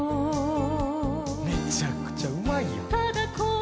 めちゃくちゃうまいやん。